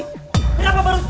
kenapa baru sekarang